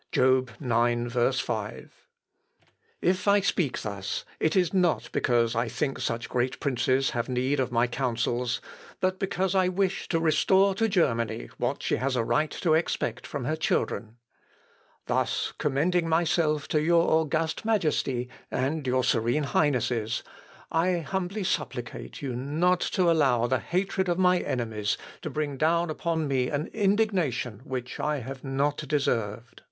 _' (Job, ix, 5.) "If I speak thus, it is not because I think such great princes have need of my counsels, but because I wish to restore to Germany what she has a right to expect from her children. Thus, commending myself to your august Majesty and your serene Highnesses, I humbly supplicate you not to allow the hatred of my enemies to bring down upon me an indignation which I have not deserved."